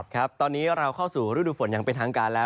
ครับตอนนี้เราเข้าสู่ฤดูฝนอย่างเป็นทางการแล้ว